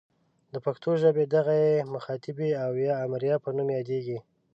د پښتو ژبې دغه ئ د مخاطبې او یا امریه په نوم یادیږي.